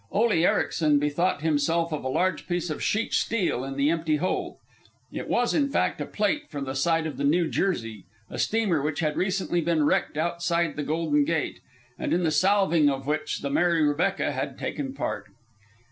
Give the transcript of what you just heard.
Ole Ericsen bethought himself of a large piece of sheet steel in the empty hold. It was in fact a plate from the side of the New Jersey, a steamer which had recently been wrecked outside the Golden Gate, and in the salving of which the Mary Rebecca had taken part.